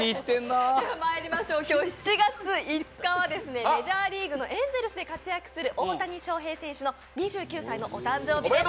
今日７月５日はメジャーリーグのエンゼルスで活躍する大谷翔平選手の２９歳のお誕生日です。